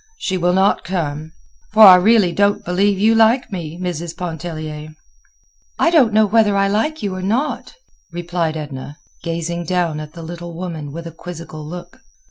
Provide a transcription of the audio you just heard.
She will not come.' For I really don't believe you like me, Mrs. Pontellier." "I don't know whether I like you or not," replied Edna, gazing down at the little woman with a quizzical look.